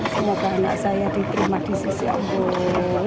semoga anak saya diterima di sisi allah